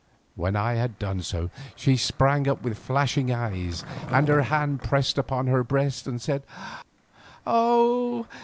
When I had done so she sprang up with flashing eyes and her hand pressed upon her breast, and said: "Oh!